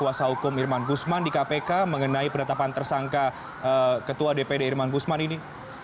kuasa hukum irman gusman di kpk mengenai penetapan tersangka ketua dpd irman gusman ini